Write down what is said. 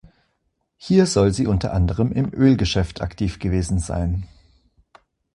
Hier soll sie unter anderem im Ölgeschäft aktiv gewesen sein.